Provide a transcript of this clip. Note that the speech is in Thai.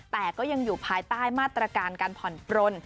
แต่ก็ยังอยู่ภายใต้มาตรการการผ่อนปลน